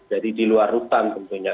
jadi di luar rutan